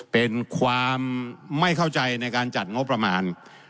เป็นความไม่เข้าใจในการจัดงบประมาณ